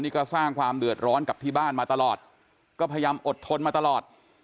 นี่ก็สร้างความเดือดร้อนกับที่บ้านมาตลอดก็พยายามอดทนมาตลอด